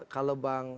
kalau bang ustaz